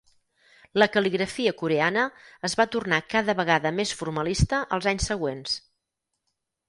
La cal·ligrafia coreana es va tornar cada vegada més formalista als anys següents.